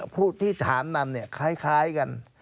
ผู้ที่ถามนำเนี่ยคล้ายกัน